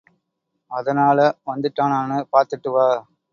அதனால வந்துட்டானான்னு பார்த்துட்டு வா.